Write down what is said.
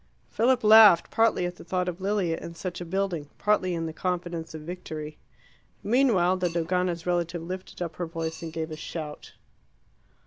Philip laughed, partly at the thought of Lilia in such a building, partly in the confidence of victory. Meanwhile the Dogana's relative lifted up her voice and gave a shout.